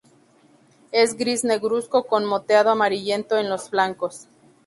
Es gris negruzco con moteado amarillento en los flancos.